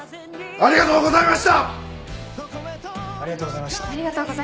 ありがとうございます。